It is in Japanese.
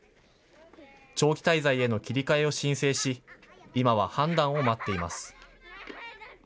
長期滞在への切り替えを申請し、今は判断を待っています。